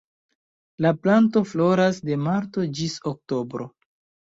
La planto floras de marto ĝis oktobro.